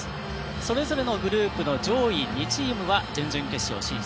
それぞれのグループ上位２チームは準々決勝進出